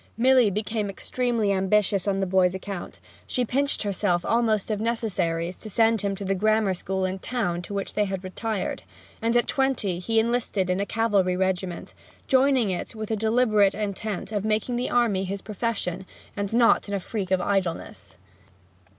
Milly became extremely ambitious on the boy's account; she pinched herself almost of necessaries to send him to the Grammar School in the town to which they retired, and at twenty he enlisted in a cavalry regiment, joining it with a deliberate intent of making the Army his profession, and not in a freak of idleness.